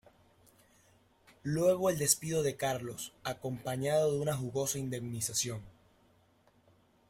Luego el despido de Carlos, acompañado de una jugosa indemnización.